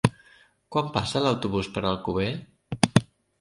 Quan passa l'autobús per Alcover?